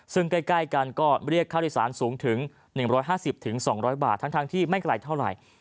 ซึ่งใกล้กันก็เรียกค่าโดยสารสูงถึง๑๕๐๒๐๐บาททั้งที่ไม่ไกลเท่าไหร่